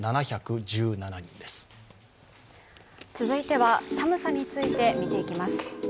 続いては、寒さについて見ていきます。